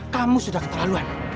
kamu sudah keterlaluan